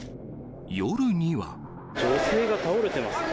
女性が倒れてますね。